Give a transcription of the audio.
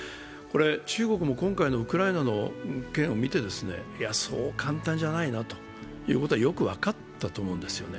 中国も今回のウクライナの件を見て、そう簡単じゃないなというのがよく分かったと思うんですよね